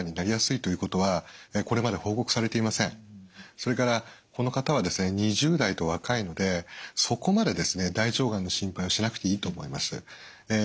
それからこの方はですね２０代と若いのでそこまでですね大腸がんの心配をしなくていいと思います。